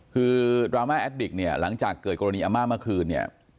คือดราม่าแอดมิตรหลังจากเกิดกรณีอำมาตย์เมื่อคืน